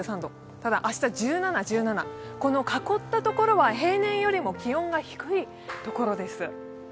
ただ、明日１７、１７、この囲ったところは平年よりも気温が低いところです。